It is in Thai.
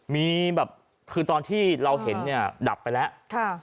มีแบบคือตอนที่เราเห็นเนี่ยดับไปแล้ว